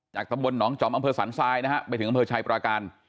จากตมหนองจอมอสรรท์ซายไปถึงอชายพราการ